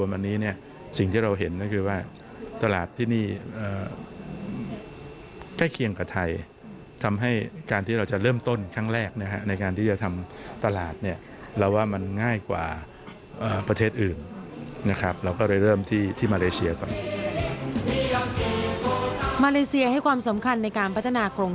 มาเลเซียให้ความสำคัญในการพัฒนากรง